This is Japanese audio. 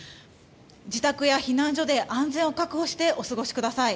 自宅や避難所で安全を確保してお過ごしください。